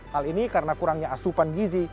hal ini karena kurangnya asupan gizi